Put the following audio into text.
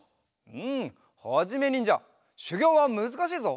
うんはじめにんじゃしゅぎょうはむずかしいぞ。